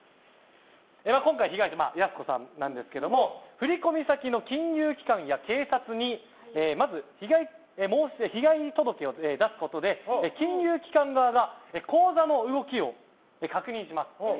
今回の被害者やす子さんなんですけども振込先の金融機関や警察に被害届を出すことで金融機関側が口座の動きを確認します。